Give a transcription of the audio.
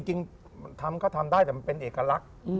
จริงทำก็ทำได้แต่มันเป็นเอกลักษณ์